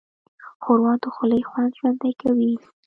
ښوروا د خولې خوند ژوندی کوي.